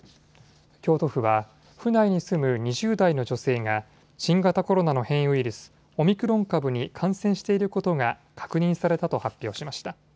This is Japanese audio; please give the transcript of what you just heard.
京都府は府内に住む２０代の女性が新型コロナの変異ウイルス、オミクロン株に感染していることが確認されたと発表しました。